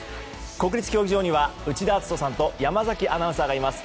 国立競技場には内田篤人さんと山崎アナウンサーがいます。